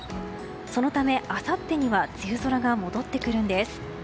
そのためあさってには梅雨空が戻ってくるんです。